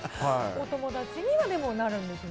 お友達にはでもなるんですよ